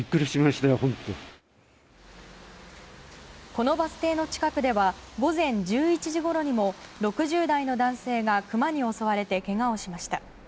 このバス停の近くでは午前１１時ごろにも６０代の男性がクマに襲われてけがをしました。